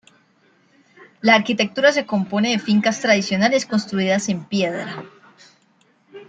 La arquitectura se compone de fincas tradicionales construidas en piedra.